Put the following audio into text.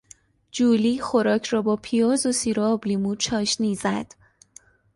جولی خوراک را با پیاز و سیر و آبلیمو چاشنی زد.